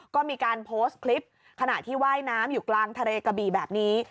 ก็มีการโพสต์คลิปขณะที่ว่ายน้ำอยู่กลางทะเลกระบี่แบบนี้